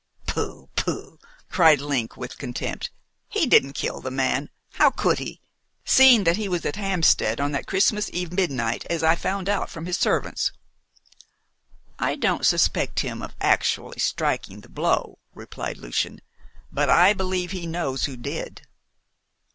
"Pooh! pooh!" cried Link, with contempt. "He didn't kill the man how could he, seeing he was at Hampstead on that Christmas Eve midnight, as I found out from his servants?" "I don't suspect him of actually striking the blow," replied Lucian, "but I believe he knows who did."